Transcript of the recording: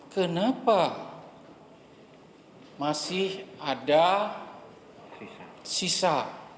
kenapa masih ada sisa